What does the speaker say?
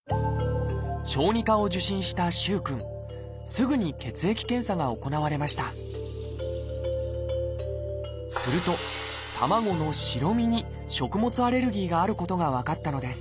すぐに血液検査が行われましたすると卵の白身に食物アレルギーがあることが分かったのです。